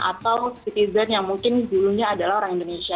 atau citizen yang mungkin dulunya adalah orang indonesia